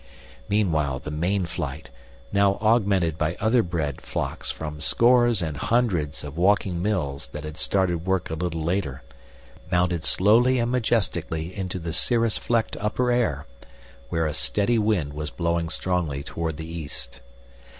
Meanwhile, the main flight, now augmented by other bread flocks from scores and hundreds of walking mills that had started work a little later, mounted slowly and majestically into the cirrus flecked upper air, where a steady wind was blowing strongly toward the east.